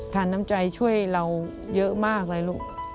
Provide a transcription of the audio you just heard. น้ำใจช่วยเราเยอะมากเลยลูก